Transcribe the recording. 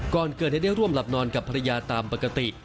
ก่อนเกิดเหตุได้ร่วมหลับนอนกับภรรยาตามปกติ